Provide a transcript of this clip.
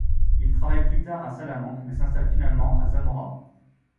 Il travaille plus tard à Salamanque mais s'installe finalement à Zamora.